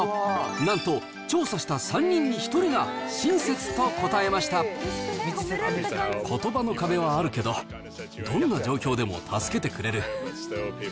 なんと調査した３人に１人が、ことばの壁はあるけど、どんな状況でも助けてくれる。